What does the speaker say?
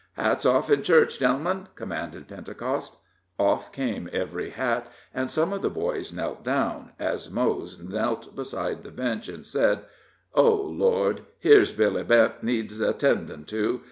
"Hats off in church, gentlemen!" commanded Pentecost. Off came every hat, and some of the boys knelt down, as Mose knelt beside the bench, and said: "Oh, Lord, here's Billy Bent needs 'tendin' to!